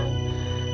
mas bandit tenang